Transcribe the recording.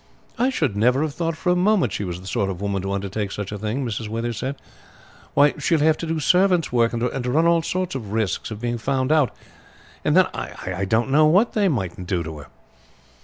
"I should never have thought for a moment she was the sort of woman to undertake such a thing," Mrs. Withers said. "Why, she will have to do servant's work, and to run all sorts of risks of being found out, and then I don't know what they mightn't do to her!"